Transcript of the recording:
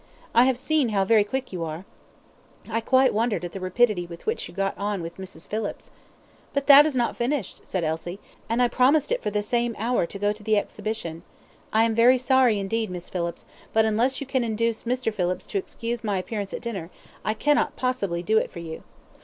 I have seen how very quick you are. I quite wondered at the rapidity with which you got on with Mrs. Phillips's." "But that is not finished," said Elsie, "and I promised it for the same hour to go to the Exhibition. I am very sorry, indeed, Miss Phillips; but, unless you can induce Mr. Phillips to excuse my appearance at dinner, I cannot possibly do it for you."